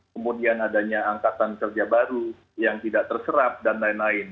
kemudian adanya angkatan kerja baru yang tidak terserap dan lain lain